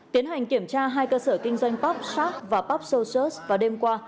tiến hành kiểm tra hai cơ sở kinh doanh pub sark và pub social và đêm qua